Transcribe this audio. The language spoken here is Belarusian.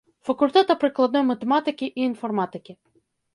Факультэта прыкладной матэматыкі і інфарматыкі.